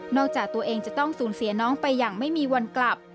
จากตัวเองจะต้องสูญเสียน้องไปอย่างไม่มีวันกลับ